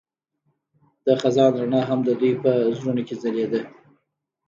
د خزان رڼا هم د دوی په زړونو کې ځلېده.